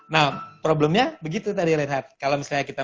nah problemnya begitu tadi reinhard kalau misalnya kita